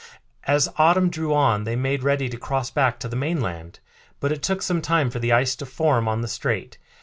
As autumn drew on they made ready to cross back to the mainland; but it took some time for the ice to form on the strait.